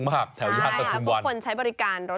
ใช่ค่ะทุกคนใช้บริการรถมอเตอร์ไซด์เยอะไง